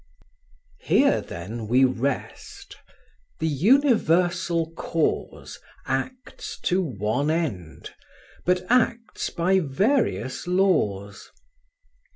Here, then, we rest: "The Universal Cause Acts to one end, but acts by various laws."